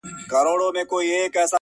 پر ګودر دي مېلمنې د بلا سترګي٫